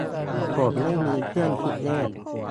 "ผมไม่มีเครื่องคิดเลข"